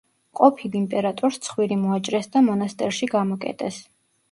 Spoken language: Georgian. ყოფილ იმპერატორს ცხვირი მოაჭრეს და მონასტერში გამოკეტეს.